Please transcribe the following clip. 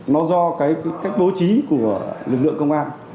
nó do cái cách bố trí của lực lượng công an